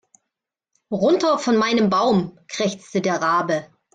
Runter von meinem Baum, krächzte der Rabe.